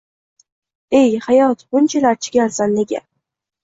Ey hayot bunchalar chigalsan nega?